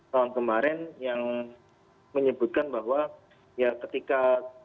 tahun kemarin yang menyebutkan bahwa ya ketika